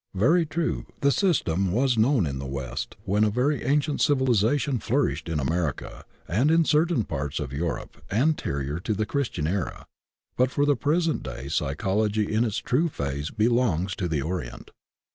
Very true, the system was known in the West when a very ancient civilization flourished in America, and in certain parts of Europe anterior to the Christian era, but for the present day psychology in its true phase belongs to the Orient.